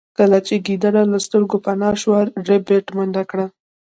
کله چې ګیدړ له سترګو پناه شو ربیټ منډه کړه